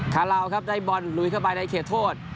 ลาวครับได้บอลลุยเข้าไปในเขตโทษ